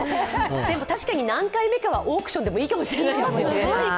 でも、何回目かはオークションでもいいかもしれない。